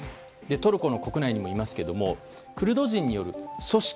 トルコの国内にもいますけれどもクルド人による組織